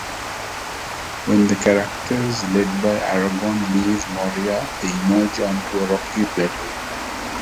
When the characters led by Aragorn leave Moria they emerge onto a rocky plateau.